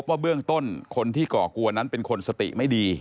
ว่าเบื้องต้นคนที่ก่อกวนนั้นเป็นคนสติไม่ดี